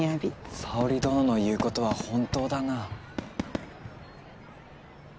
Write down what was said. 沙織殿の言うことは本当だな。